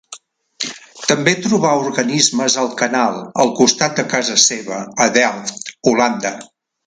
També trobà organismes al canal al costat de casa seva a Delft, Holanda.